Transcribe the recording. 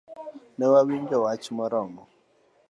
Ne wayudo mich moromo.